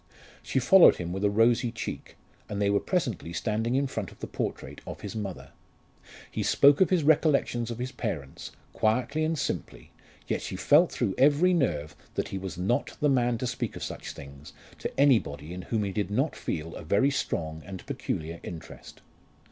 She followed him with a rosy cheek, and they were presently standing in front of the portrait of his mother. He spoke of his recollections of his parents, quietly and simply, yet she felt through every nerve that he was not the man to speak of such things to anybody in whom he did not feel a very strong and peculiar interest.